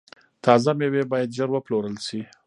تازه میوې باید ژر وپلورل شي.